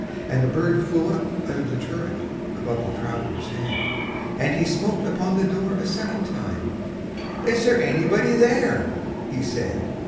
And a bird flew up out of the turret, Above the traveler's head: And he smote upon the door a second time; "Is there anybody there?" he said.